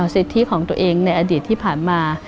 สิทธิของตัวเองในอดีตที่ผ่านมา